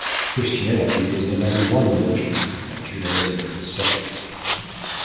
Christianity is the number one religion and Judaism is the second.